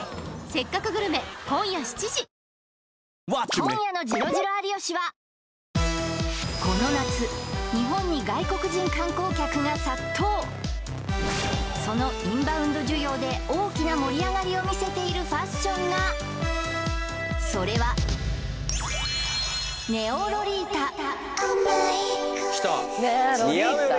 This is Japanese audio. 今夜の「ジロジロ有吉」はこの夏日本にそのインバウンド需要で大きな盛り上がりを見せているファッションがそれはきたね